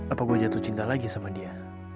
apa gue jatuh cinta lagi sama dia